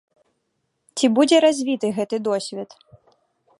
Ці будзе развіты гэты досвед?